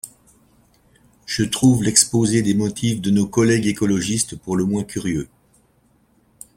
Je trouve l’exposé des motifs de nos collègues écologistes pour le moins curieux.